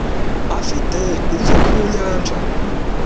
Afite inzu ku nyanja.